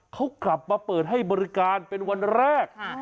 เขากลับมาเปิดให้บริการเป็นวันแรก